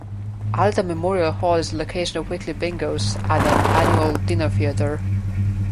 Alida Memorial Hall is the location of weekly bingos and an annual dinner theatre.